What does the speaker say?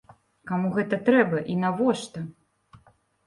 Каму гэта трэба і навошта?